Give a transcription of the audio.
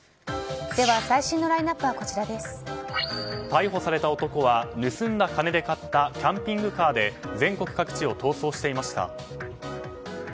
逮捕された男は盗んだ金で買ったキャンピングカーで全国各地を逃走していました。